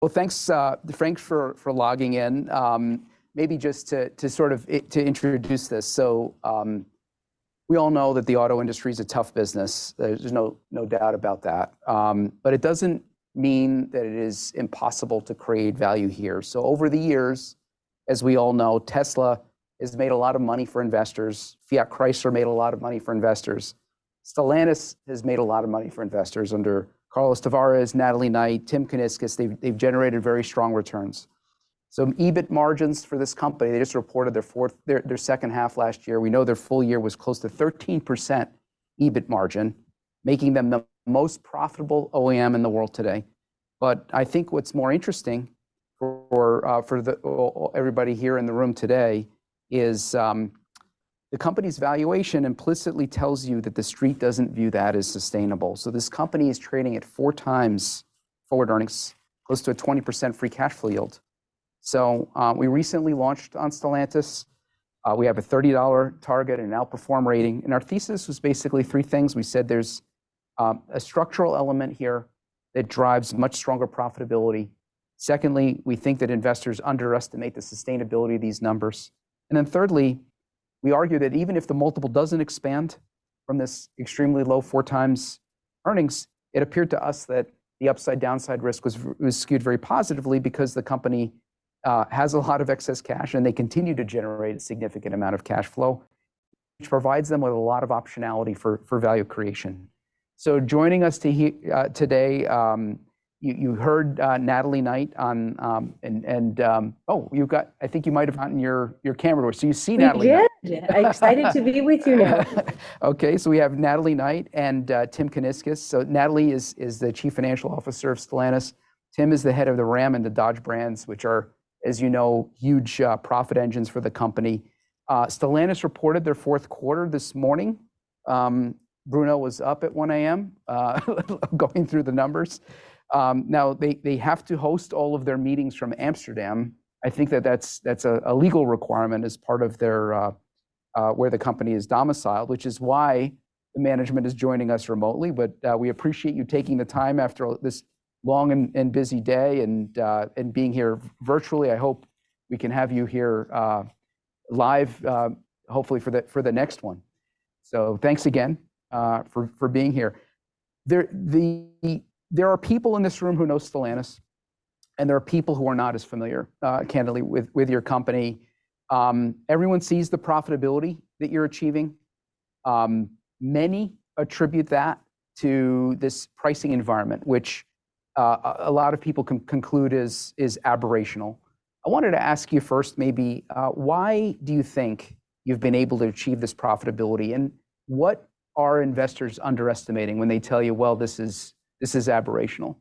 Well, thanks, Frank, for logging in. Maybe just to sort of introduce this, so we all know that the auto industry is a tough business. There's no doubt about that. But it doesn't mean that it is impossible to create value here. So over the years, as we all know, Tesla has made a lot of money for investors. Fiat Chrysler made a lot of money for investors. Stellantis has made a lot of money for investors under Carlos Tavares, Natalie Knight, Tim Kuniskis. They've generated very strong returns. So EBIT margins for this company, they just reported their second half last year. We know their full year was close to 13% EBIT margin, making them the most profitable OEM in the world today. But I think what's more interesting for, for the, well, everybody here in the room today is the company's valuation implicitly tells you that the Street doesn't view that as sustainable. So this company is trading at 4x forward earnings, close to a 20% free cash flow yield. So, we recently launched on Stellantis. We have a $30 target and outperform rating, and our thesis was basically three things. We said there's a structural element here that drives much stronger profitability. Secondly, we think that investors underestimate the sustainability of these numbers. And then thirdly, we argue that even if the multiple doesn't expand from this extremely low 4x earnings, it appeared to us that the upside/downside risk was skewed very positively because the company has a lot of excess cash, and they continue to generate a significant amount of cash flow, which provides them with a lot of optionality for value creation. So joining us today, you heard Natalie Knight on... And, oh, you've got I think you might have gotten your camera on, so you see Natalie. We did! I'm excited to be with you now. Okay, so we have Natalie Knight and Tim Kuniskis. So Natalie is the Chief Financial Officer of Stellantis. Tim is the head of the Ram and the Dodge brands, which are, as you know, huge profit engines for the company. Stellantis reported their fourth quarter this morning. Bruno was up at 1:00 A.M., going through the numbers. Now, they have to host all of their meetings from Amsterdam. I think that's a legal requirement as part of their where the company is domiciled, which is why the management is joining us remotely. But we appreciate you taking the time after all this long and busy day and being here virtually. I hope we can have you here live, hopefully for the next one. So thanks again for being here. There are people in this room who know Stellantis, and there are people who are not as familiar, candidly, with your company. Everyone sees the profitability that you're achieving. Many attribute that to this pricing environment, which a lot of people conclude is aberrational. I wanted to ask you first, maybe, why do you think you've been able to achieve this profitability, and what are investors underestimating when they tell you, "Well, this is aberrational?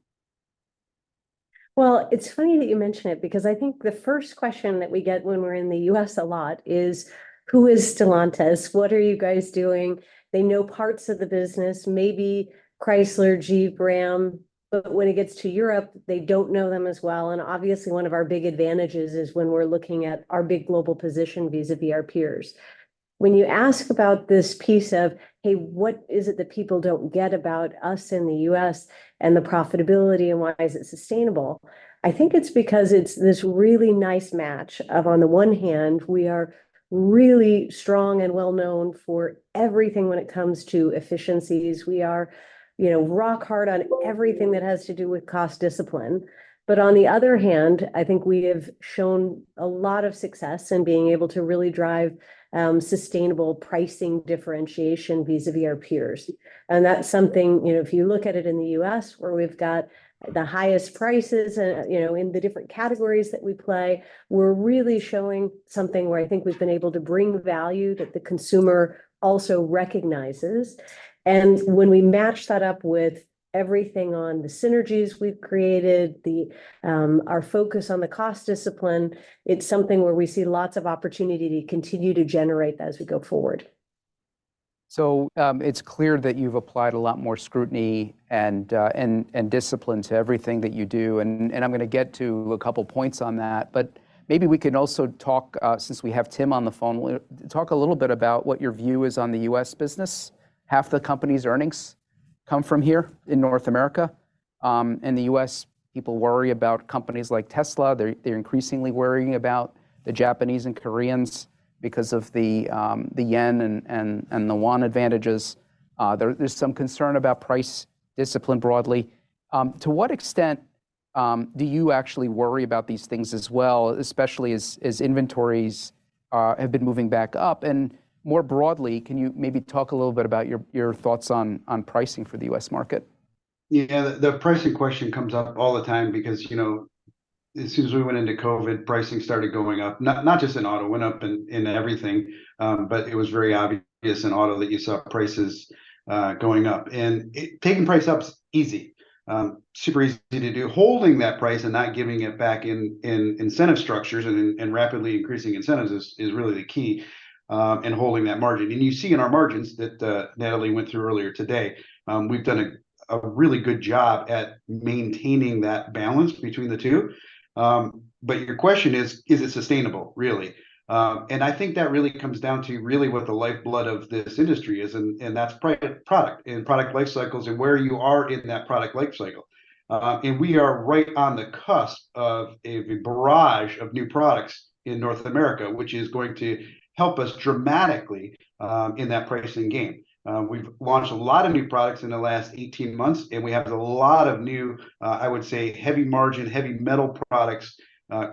Well, it's funny that you mention it, because I think the first question that we get when we're in the U.S. a lot is: Who is Stellantis? What are you guys doing? They know parts of the business, maybe Chrysler, Jeep, Ram, but when it gets to Europe, they don't know them as well. And obviously, one of our big advantages is when we're looking at our big global position vis-à-vis our peers. When you ask about this piece of, "Hey, what is it that people don't get about us in the U.S. and the profitability, and why is it sustainable?" I think it's because it's this really nice match of, on the one hand, we are really strong and well-known for everything when it comes to efficiencies. We are, you know, rock hard on everything that has to do with cost discipline. But on the other hand, I think we have shown a lot of success in being able to really drive sustainable pricing differentiation vis-à-vis our peers. And that's something, you know, if you look at it in the US, where we've got the highest prices, you know, in the different categories that we play, we're really showing something where I think we've been able to bring value that the consumer also recognizes. And when we match that up with everything on the synergies we've created, our focus on the cost discipline, it's something where we see lots of opportunity to continue to generate that as we go forward. So, it's clear that you've applied a lot more scrutiny and, and discipline to everything that you do, and, I'm gonna get to a couple points on that. But maybe we can also talk, since we have Tim on the phone, talk a little bit about what your view is on the U.S. business. Half the company's earnings come from here in North America. And the U.S., people worry about companies like Tesla. They're increasingly worrying about the Japanese and Koreans because of the yen and the won advantages. There's some concern about price discipline broadly. To what extent do you actually worry about these things as well, especially as inventories have been moving back up? And more broadly, can you maybe talk a little bit about your thoughts on pricing for the U.S. market? Yeah, the pricing question comes up all the time because, you know, as soon as we went into COVID, pricing started going up. Not just in auto, it went up in everything. But it was very obvious in auto that you saw prices going up. And taking price up is easy, super easy to do. Holding that price and not giving it back in incentive structures and rapidly increasing incentives is really the key in holding that margin. And you see in our margins that Natalie went through earlier today, we've done a really good job at maintaining that balance between the two. But your question is, is it sustainable, really? And I think that really comes down to really what the lifeblood of this industry is, and that's product, and product life cycles, and where you are in that product life cycle. And we are right on the cusp of a barrage of new products in North America, which is going to help us dramatically in that pricing game. We've launched a lot of new products in the last 18 months, and we have a lot of new, I would say, heavy-margin, heavy-metal products,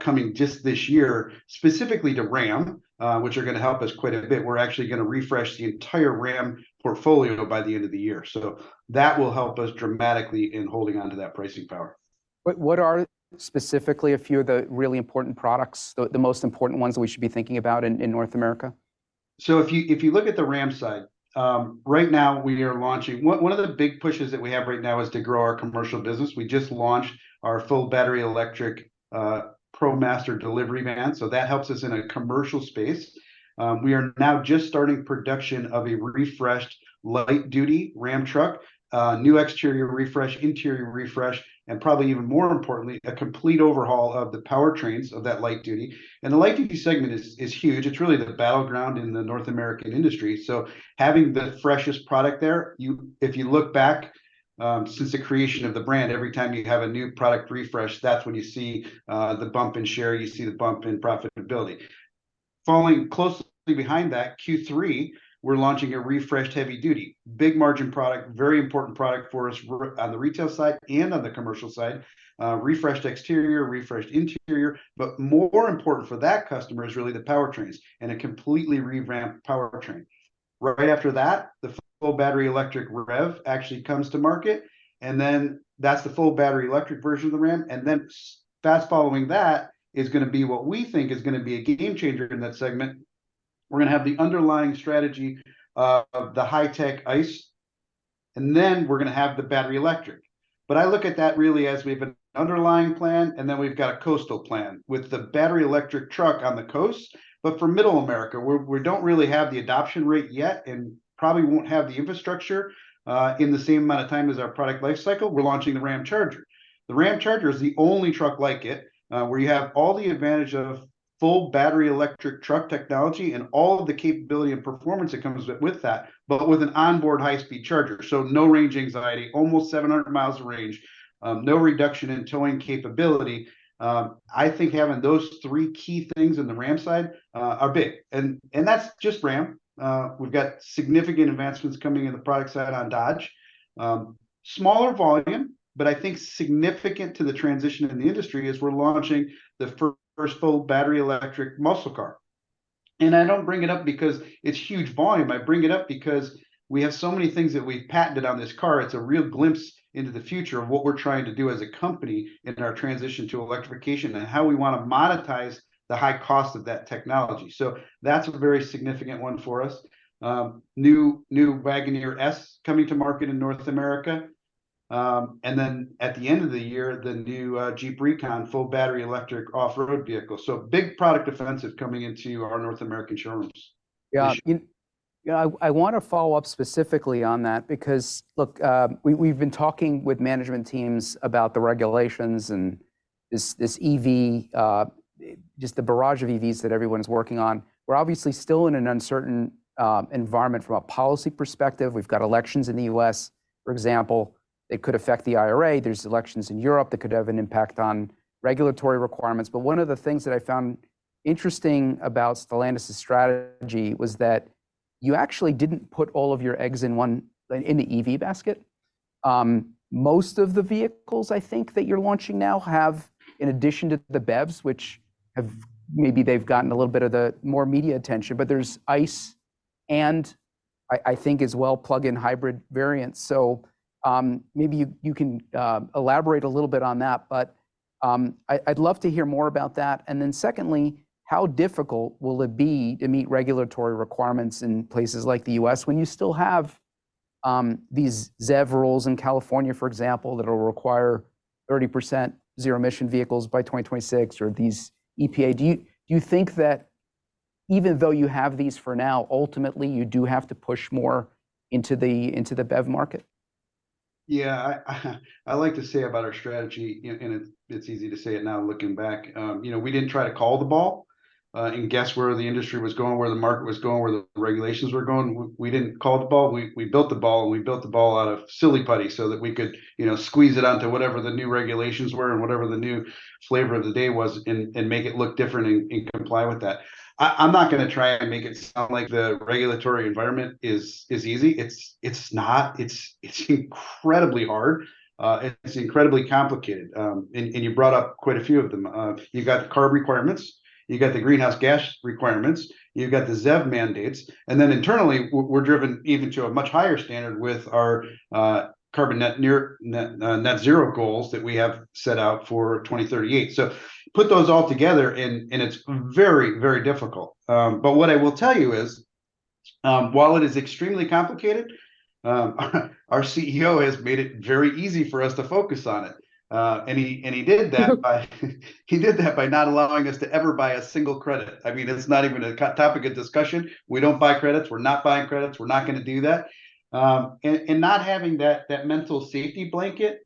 coming just this year, specifically to Ram, which are gonna help us quite a bit. We're actually gonna refresh the entire Ram portfolio by the end of the year. So that will help us dramatically in holding onto that pricing power. What are specifically a few of the really important products, the most important ones we should be thinking about in North America? So if you, if you look at the Ram side, right now we are launching... One, one of the big pushes that we have right now is to grow our commercial business. We just launched our full battery electric ProMaster delivery van, so that helps us in a commercial space. We are now just starting production of a refreshed light-duty Ram truck, new exterior refresh, interior refresh, and probably even more importantly, a complete overhaul of the powertrains of that light duty. And the light-duty segment is, is huge. It's really the battleground in the North American industry, so having the freshest product there, you... If you look back, since the creation of the brand, every time you have a new product refresh, that's when you see the bump in share, you see the bump in profitability. Following closely behind that, Q3, we're launching a refreshed Heavy Duty. Big-margin product, very important product for us on the retail side and on the commercial side. Refreshed exterior, refreshed interior, but more important for that customer is really the powertrains, and a completely revamped powertrain. Right after that, the full battery electric REV actually comes to market, and then that's the full battery electric version of the Ram. And then fast-following that is gonna be what we think is gonna be a game changer in that segment. We're gonna have the underlying strategy of the high-tech ICE, and then we're gonna have the battery electric. But I look at that really as we have an underlying plan, and then we've got a coast-to-coast plan, with the battery electric truck on the coast. But for Middle America, we're, we don't really have the adoption rate yet, and probably won't have the infrastructure, in the same amount of time as our product life cycle. We're launching the Ramcharger. The Ramcharger is the only truck like it, where you have all the advantage of full battery electric truck technology, and all of the capability and performance that comes with that, but with an onboard high-speed charger. So no range anxiety, almost 700 miles of range, no reduction in towing capability. I think having those three key things in the Ram side, are big. And that's just Ram. We've got significant advancements coming in the product side on Dodge. Smaller volume, but I think significant to the transition in the industry, is we're launching the first full battery electric muscle car. I don't bring it up because it's huge volume, I bring it up because we have so many things that we've patented on this car. It's a real glimpse into the future of what we're trying to do as a company in our transition to electrification, and how we wanna monetize the high cost of that technology. So that's a very significant one for us. New Wagoneer S coming to market in North America. And then at the end of the year, the new Jeep Recon full battery electric off-road vehicle. So big product offensive coming into our North American showrooms. Yeah. Nish- Yeah, I wanna follow up specifically on that, because, look, we, we've been talking with management teams about the regulations and this EV, just the barrage of EVs that everyone's working on. We're obviously still in an uncertain environment from a policy perspective. We've got elections in the U.S., for example, that could affect the IRA. There's elections in Europe that could have an impact on regulatory requirements. But one of the things that I found interesting about Stellantis's strategy was that you actually didn't put all of your eggs in one in the EV basket. Most of the vehicles, I think, that you're launching now have, in addition to the BEVs, which have, maybe they've gotten a little bit of the more media attention, but there's ICE, and I think as well, plug-in hybrid variants. So, maybe you can elaborate a little bit on that, but, I'd love to hear more about that. And then secondly, how difficult will it be to meet regulatory requirements in places like the U.S., when you still have these ZEV rules in California, for example, that'll require 30% zero emission vehicles by 2026, or these EPA... Do you think that even though you have these for now, ultimately, you do have to push more into the BEV market? Yeah, I like to say about our strategy, and it’s easy to say it now looking back, you know, we didn't try to call the ball and guess where the industry was going, where the market was going, where the regulations were going. We didn't call the ball, we built the ball, and we built the ball out of Silly Putty so that we could, you know, squeeze it out to whatever the new regulations were, and whatever the new flavor of the day was, and make it look different, and comply with that. I'm not gonna try and make it sound like the regulatory environment is easy. It's not, it's incredibly hard. It's incredibly complicated. And you brought up quite a few of them. You got CARB requirements, you got the greenhouse gas requirements, you've got the ZEV mandates, and then internally, we're driven even to a much higher standard with our carbon net zero goals that we have set out for 2038. So put those all together, and it's very difficult. But what I will tell you is, while it is extremely complicated, our CEO has made it very easy for us to focus on it. And he did that by not allowing us to ever buy a single credit. I mean, it's not even a hot topic of discussion. We don't buy credits. We're not buying credits. We're not gonna do that. And not having that mental safety blanket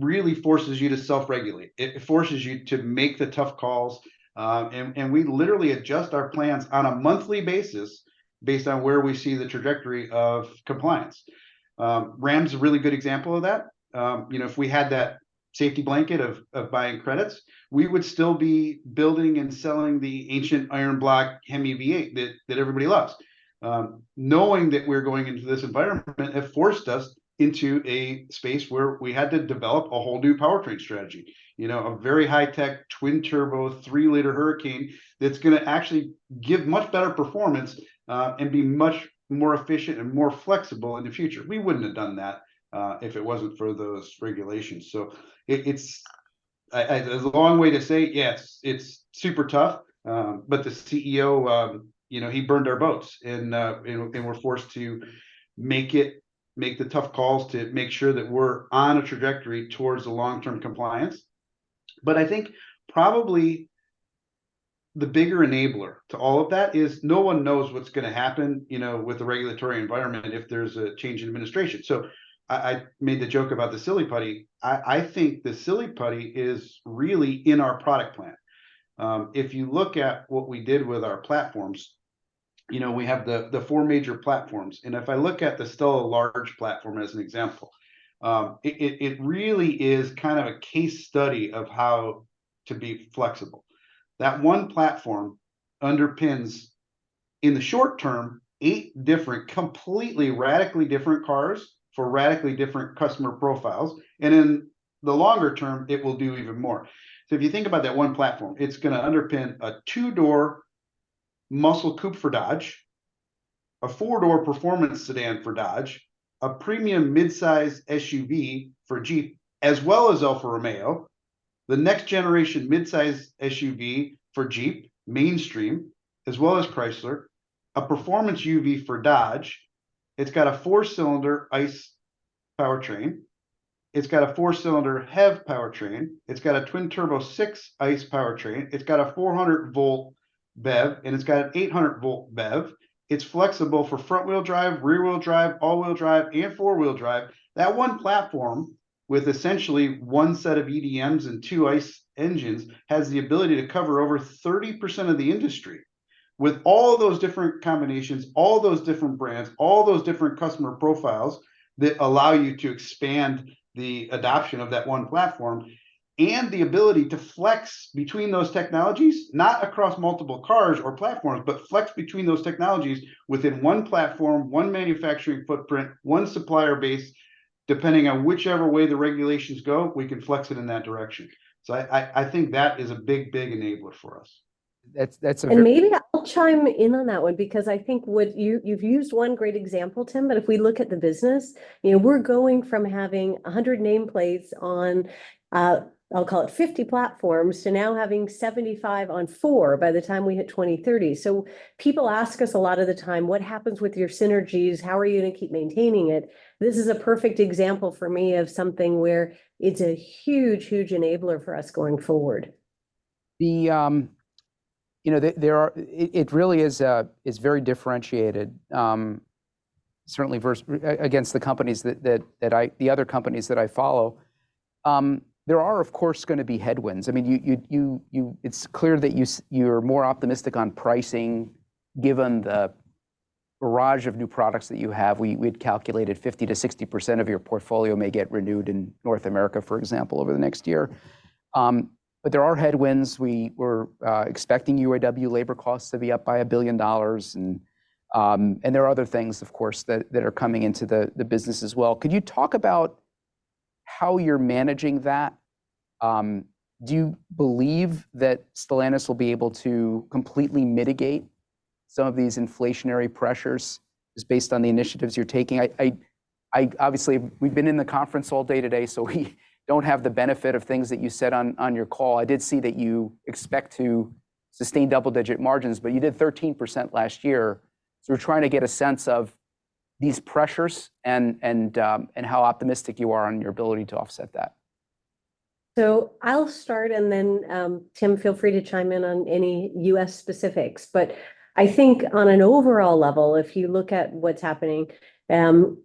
really forces you to self-regulate. It forces you to make the tough calls, and we literally adjust our plans on a monthly basis based on where we see the trajectory of compliance. Ram's a really good example of that. You know, if we had that safety blanket of buying credits, we would still be building and selling the ancient iron block Hemi V8 that everybody loves. Knowing that we're going into this environment have forced us into a space where we had to develop a whole new powertrain strategy. You know, a very high-tech, twin-turbo, 3-liter Hurricane that's gonna actually give much better performance, and be much more efficient and more flexible in the future. We wouldn't have done that, if it wasn't for those regulations. So it's... I... There's a long way to say, yes, it's super tough, but the CEO, you know, he burned our boats, and we're forced to make the tough calls to make sure that we're on a trajectory towards the long-term compliance. But I think probably the bigger enabler to all of that is no one knows what's gonna happen, you know, with the regulatory environment if there's a change in administration. So I made the joke about the Silly Putty. I think the Silly Putty is really in our product plan. If you look at what we did with our platforms, you know, we have the four major platforms, and if I look at the STLA Large platform as an example, it really is kind of a case study of how to be flexible. That one platform underpins, in the short term, 8 different, completely radically different cars for radically different customer profiles, and in the longer term, it will do even more. So if you think about that one platform, it's gonna underpin a two-door muscle coupe for Dodge, a four-door performance sedan for Dodge, a premium midsize SUV for Jeep, as well as Alfa Romeo, the next generation midsize SUV for Jeep, mainstream, as well as Chrysler, a performance UV for Dodge. It's got a 4-cylinder ICE powertrain, it's got a 4-cylinder HEV powertrain, it's got a twin-turbo 6 ICE powertrain, it's got a 400-volt BEV, and it's got an 800-volt BEV. It's flexible for front-wheel drive, rear-wheel drive, all-wheel drive, and four-wheel drive. That one platform, with essentially one set of EDMs and two ICE engines, has the ability to cover over 30% of the industry. With all those different combinations, all those different brands, all those different customer profiles that allow you to expand the adoption of that one platform, and the ability to flex between those technologies, not across multiple cars or platforms, but flex between those technologies within one platform, one manufacturing footprint, one supplier base. Depending on whichever way the regulations go, we can flex it in that direction. So I think that is a big, big enabler for us. That's a very- And maybe I'll chime in on that one, because I think what you... You've used one great example, Tim, but if we look at the business, you know, we're going from having 100 nameplates on, I'll call it 50 platforms, to now having 75 on 4 by the time we hit 2030. So people ask us a lot of the time: "What happens with your synergies? How are you gonna keep maintaining it?" This is a perfect example for me of something where it's a huge, huge enabler for us going forward. You know, there are... It really is very differentiated, certainly versus the other companies that I follow. There are, of course, gonna be headwinds. I mean, it's clear that you're more optimistic on pricing, given the barrage of new products that you have. We'd calculated 50%-60% of your portfolio may get renewed in North America, for example, over the next year. But there are headwinds. We were expecting UAW labor costs to be up by $1 billion, and there are other things, of course, that are coming into the business as well. Could you talk about how you're managing that? Do you believe that Stellantis will be able to completely mitigate some of these inflationary pressures just based on the initiatives you're taking? Obviously, we've been in the conference all day today, so we don't have the benefit of things that you said on your call. I did see that you expect to sustain double-digit margins, but you did 13% last year. So we're trying to get a sense of these pressures and how optimistic you are on your ability to offset that. So I'll start, and then, Tim, feel free to chime in on any US specifics. But I think on an overall level, if you look at what's happening,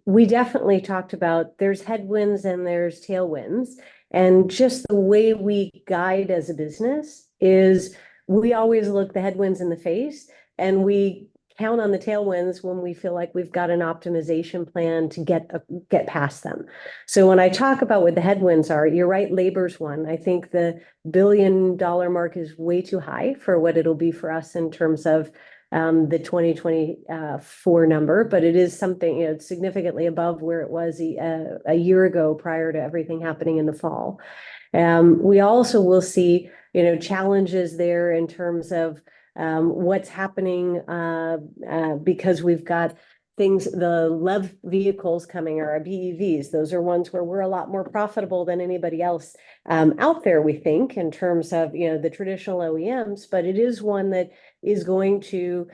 we definitely talked about there's headwinds and there's tailwinds. And just the way we guide as a business is, we always look the headwinds in the face, and we count on the tailwinds when we feel like we've got an optimization plan to get past them. So when I talk about what the headwinds are, you're right, labor's one. I think the billion-dollar mark is way too high for what it'll be for us in terms of the 2024 number, but it is something, you know, significantly above where it was a year ago prior to everything happening in the fall. We also will see, you know, challenges there in terms of what's happening because we've got things, the LEV vehicles coming, or our BEVs. Those are ones where we're a lot more profitable than anybody else out there, we think, in terms of, you know, the traditional OEMs. But it is one that is going to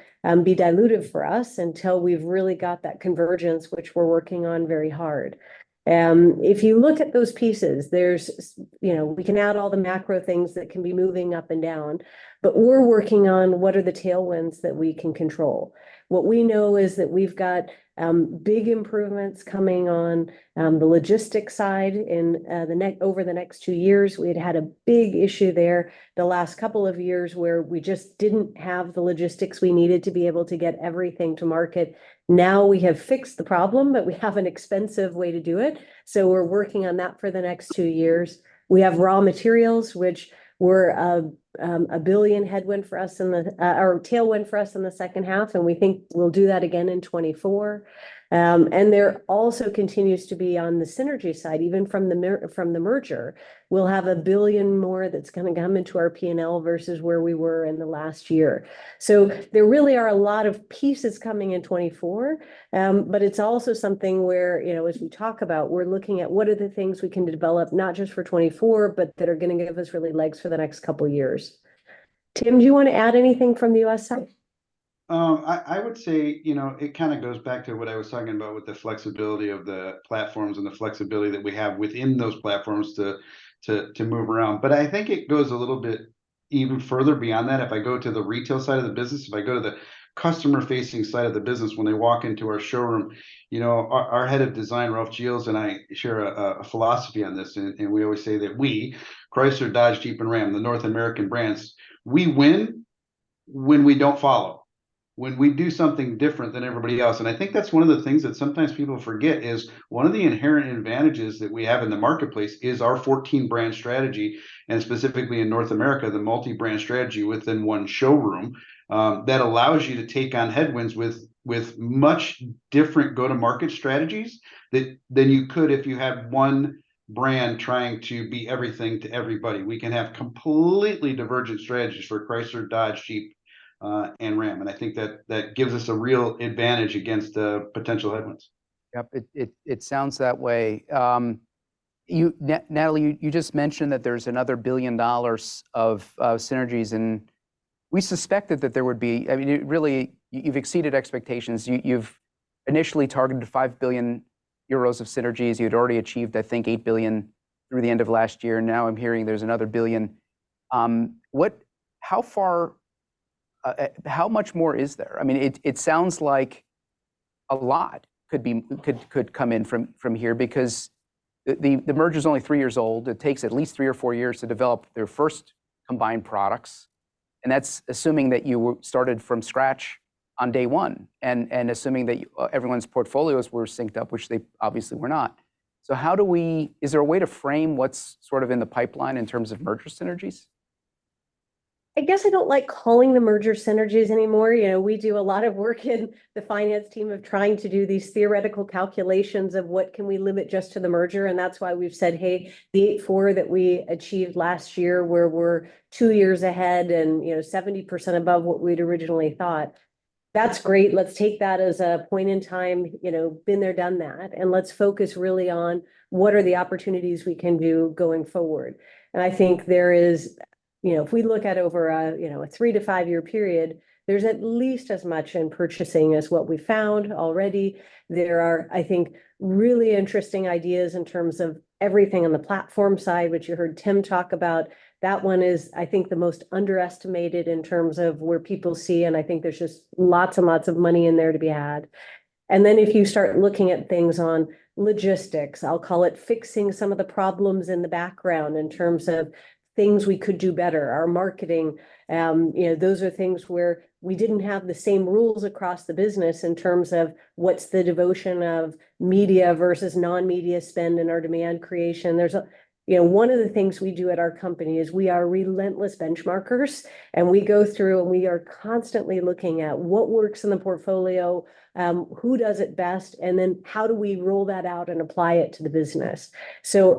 be dilutive for us until we've really got that convergence, which we're working on very hard. If you look at those pieces, there's, you know, we can add all the macro things that can be moving up and down, but we're working on what are the tailwinds that we can control. What we know is that we've got big improvements coming on the logistics side in over the next two years. We'd had a big issue there the last couple of years, where we just didn't have the logistics we needed to be able to get everything to market. Now, we have fixed the problem, but we have an expensive way to do it, so we're working on that for the next two years. We have raw materials, which were a 1 billion headwind for us in the or tailwind for us in the second half, and we think we'll do that again in 2024. And there also continues to be on the synergy side, even from the merger, we'll have a 1 billion more that's gonna come into our P&L versus where we were in the last year. There really are a lot of pieces coming in 2024, but it's also something where, you know, as we talk about, we're looking at what are the things we can develop, not just for 2024, but that are gonna give us really legs for the next couple years. Tim, do you want to add anything from the U.S. side? ... I would say, you know, it kind of goes back to what I was talking about with the flexibility of the platforms and the flexibility that we have within those platforms to move around. But I think it goes a little bit even further beyond that. If I go to the retail side of the business, if I go to the customer-facing side of the business, when they walk into our showroom, you know, our head of design, Ralph Gilles, and I share a philosophy on this. And we always say that we, Chrysler, Dodge, Jeep, and Ram, the North American brands, we win when we don't follow, when we do something different than everybody else. I think that's one of the things that sometimes people forget, is one of the inherent advantages that we have in the marketplace is our 14-brand strategy, and specifically in North America, the multi-brand strategy within one showroom. That allows you to take on headwinds with much different go-to-market strategies than you could if you had one brand trying to be everything to everybody. We can have completely divergent strategies for Chrysler, Dodge, Jeep, and Ram, and I think that gives us a real advantage against potential headwinds. Yep, it sounds that way. You, Natalie, you just mentioned that there's another billion dollars of synergies, and we suspected that there would be... I mean, you've exceeded expectations. You've initially targeted 5 billion euros of synergies. You'd already achieved, I think, 8 billion through the end of last year. Now I'm hearing there's another billion. What, how far, how much more is there? I mean, it sounds like a lot could be, could come in from here, because the merger's only three years old. It takes at least three or four years to develop their first combined products, and that's assuming that you started from scratch on day one, and assuming that everyone's portfolios were synced up, which they obviously were not. So how do we... Is there a way to frame what's sort of in the pipeline in terms of merger synergies? I guess I don't like calling them merger synergies anymore. You know, we do a lot of work in the finance team of trying to do these theoretical calculations of what can we limit just to the merger, and that's why we've said, "Hey, the €8.4 that we achieved last year, where we're two years ahead and, you know, 70% above what we'd originally thought, that's great. Let's take that as a point in time. You know, been there, done that, and let's focus really on what are the opportunities we can do going forward?" And I think there is... You know, if we look at over a, you know, a 3- to 5-year period, there's at least as much in purchasing as what we found already. There are, I think, really interesting ideas in terms of everything on the platform side, which you heard Tim talk about. That one is, I think, the most underestimated in terms of where people see, and I think there's just lots and lots of money in there to be had. And then if you start looking at things on logistics, I'll call it fixing some of the problems in the background in terms of things we could do better, our marketing, you know, those are things where we didn't have the same rules across the business in terms of what's the devotion of media versus non-media spend in our demand creation. You know, one of the things we do at our company is we are relentless benchmarkers, and we go through and we are constantly looking at what works in the portfolio, who does it best, and then how do we roll that out and apply it to the business?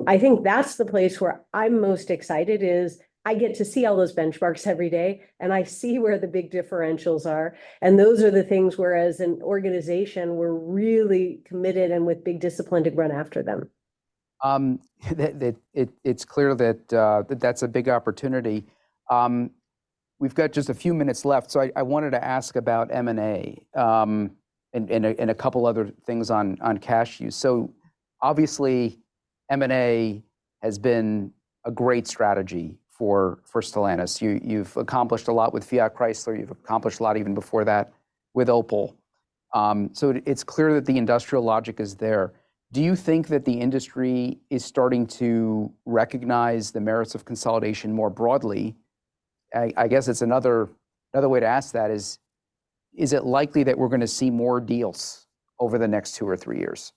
I think that's the place where I'm most excited, is I get to see all those benchmarks every day, and I see where the big differentials are, and those are the things where as an organization, we're really committed and with big discipline to run after them. It's clear that that's a big opportunity. We've got just a few minutes left, so I wanted to ask about M&A and a couple other things on cash use. So obviously, M&A has been a great strategy for Stellantis. You've accomplished a lot with Fiat Chrysler, you've accomplished a lot even before that with Opel. So it's clear that the industrial logic is there. Do you think that the industry is starting to recognize the merits of consolidation more broadly? I guess it's another way to ask that is, is it likely that we're going to see more deals over the next two or three years?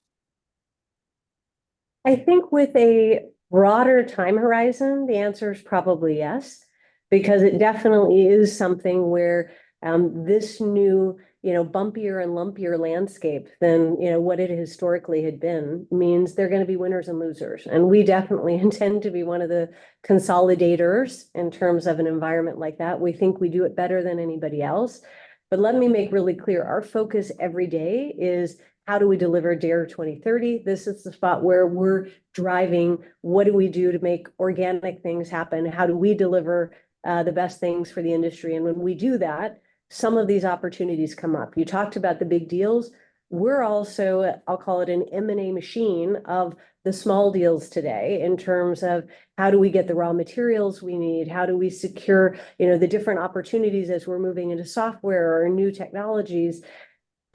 I think with a broader time horizon, the answer is probably yes, because it definitely is something where this new, you know, bumpier and lumpier landscape than, you know, what it historically had been, means there are going to be winners and losers. And we definitely intend to be one of the consolidators in terms of an environment like that. We think we do it better than anybody else. But let me make really clear, our focus every day is: How do we deliver Dare 2030? This is the spot where we're driving. What do we do to make organic things happen? How do we deliver the best things for the industry? And when we do that, some of these opportunities come up. You talked about the big deals. We're also, I'll call it an M&A machine of the small deals today, in terms of how do we get the raw materials we need? How do we secure, you know, the different opportunities as we're moving into software or new technologies?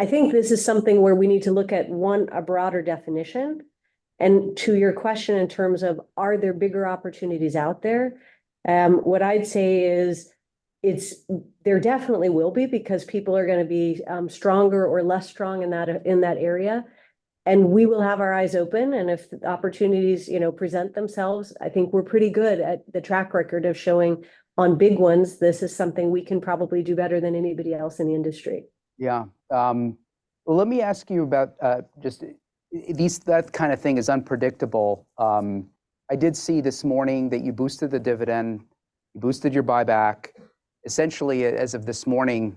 I think this is something where we need to look at, one, a broader definition, and to your question in terms of, are there bigger opportunities out there? What I'd say is, it's, there definitely will be, because people are going to be stronger or less strong in that, in that area, and we will have our eyes open. And if opportunities, you know, present themselves, I think we're pretty good at the track record of showing on big ones. This is something we can probably do better than anybody else in the industry. Yeah. Well, let me ask you about just that kind of thing is unpredictable. I did see this morning that you boosted the dividend, you boosted your buyback. Essentially, as of this morning,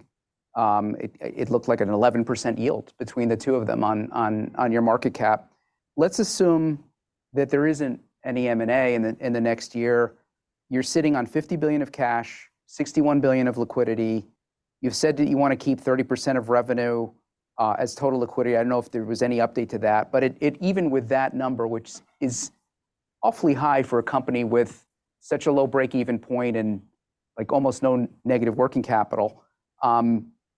it looked like an 11% yield between the two of them on your market cap. Let's assume that there isn't any M&A in the next year. You're sitting on 50 billion of cash, 61 billion of liquidity. You've said that you want to keep 30% of revenue as total liquidity. I don't know if there was any update to that, but it even with that number, which is awfully high for a company with such a low break-even point and, like, almost no negative working capital,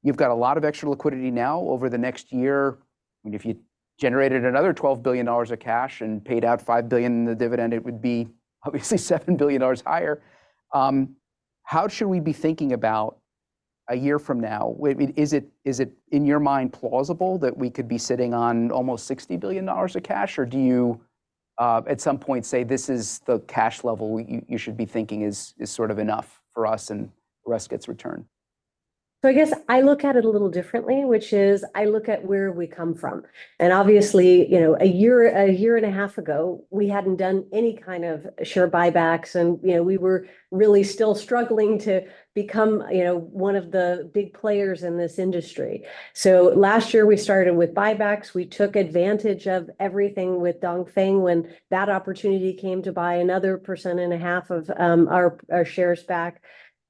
you've got a lot of extra liquidity now over the next year. If you generated another $12 billion of cash and paid out $5 billion in the dividend, it would be obviously $7 billion higher. How should we be thinking about a year from now? I mean, is it, is it, in your mind, plausible that we could be sitting on almost $60 billion of cash, or do you, at some point say, "This is the cash level we- you, you should be thinking is, is sort of enough for us, and the rest gets returned? So I guess I look at it a little differently, which is I look at where we come from. And obviously, you know, a year, a year and a half ago, we hadn't done any kind of share buybacks, and, you know, we were really still struggling to become, you know, one of the big players in this industry. So last year, we started with buybacks. We took advantage of everything with Dongfeng when that opportunity came to buy another 1.5% of our shares back.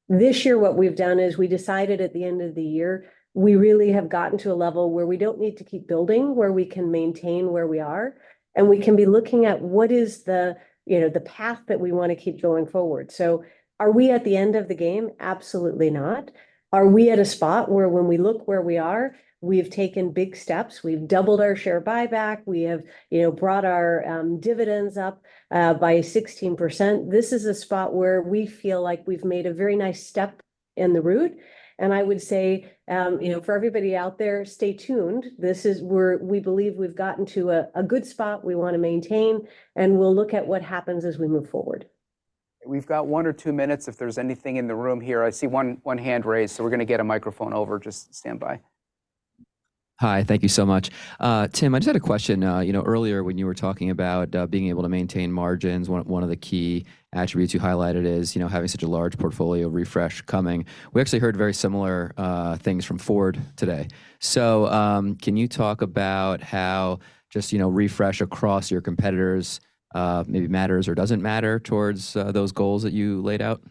This year, what we've done is we decided at the end of the year, we really have gotten to a level where we don't need to keep building, where we can maintain where we are, and we can be looking at what is the, you know, the path that we want to keep going forward. So are we at the end of the game? Absolutely not. Are we at a spot where when we look where we are, we've taken big steps, we've doubled our share buyback, we have, you know, brought our dividends up by 16%? This is a spot where we feel like we've made a very nice step in the route, and I would say, you know, for everybody out there, stay tuned. This is where we believe we've gotten to a good spot we want to maintain, and we'll look at what happens as we move forward. We've got one or two minutes, if there's anything in the room here. I see one, one hand raised, so we're gonna get a microphone over. Just stand by. Hi, thank you so much. Tim, I just had a question. You know, earlier when you were talking about, being able to maintain margins, one of, one of the key attributes you highlighted is, you know, having such a large portfolio refresh coming. We actually heard very similar, things from Ford today. So, can you talk about how just, you know, refresh across your competitors, maybe matters or doesn't matter towards, those goals that you laid out?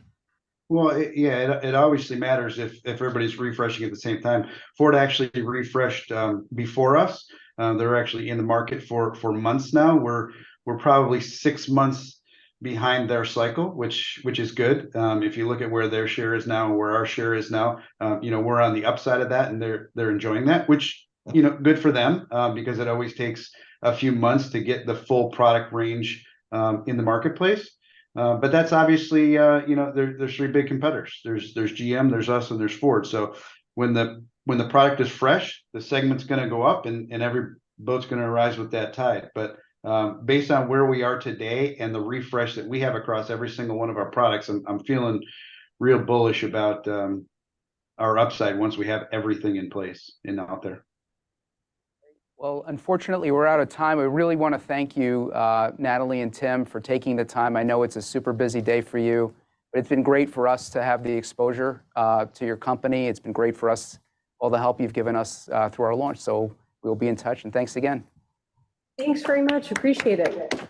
Well, yeah, it obviously matters if everybody's refreshing at the same time. Ford actually refreshed before us. They're actually in the market for months now. We're probably six months behind their cycle, which is good. If you look at where their share is now and where our share is now, you know, we're on the upside of that, and they're enjoying that, which, you know, good for them. Because it always takes a few months to get the full product range in the marketplace. But that's obviously, you know, there's three big competitors. There's GM, there's us, and there's Ford. So when the product is fresh, the segment's gonna go up, and every boat's gonna rise with that tide. Based on where we are today and the refresh that we have across every single one of our products, I'm feeling real bullish about our upside once we have everything in place and out there. Well, unfortunately, we're out of time. I really want to thank you, Natalie and Tim, for taking the time. I know it's a super busy day for you, but it's been great for us to have the exposure to your company. It's been great for us, all the help you've given us through our launch. So we'll be in touch, and thanks again. Thanks very much. Appreciate it.